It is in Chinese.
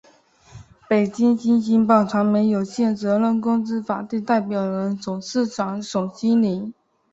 北京新京报传媒有限责任公司法定代表人、董事长、总经理